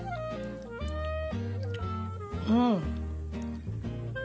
うん。